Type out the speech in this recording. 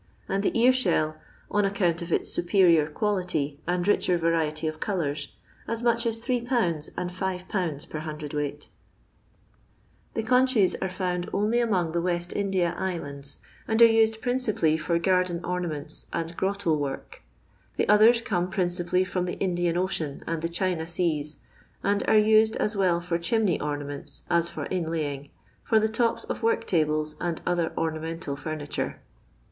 ; and the ear shell, on account of its superior quality and rieher variety of eolours, aa much as 8/. and 6/. per ar* No. XXZIL M LONDON LABOUR AND THB LONDON POOB. The eoDcbM are ibimd only among the West India lilandsy and aie uied principally fi>r garden oma menta and grotto work. The others come prin cipally from the Indian Ocean and the Ghina seas, and are used as well for chimney ornaments, as for inlaying, for the tops of work tables and other ornamental liimitnre.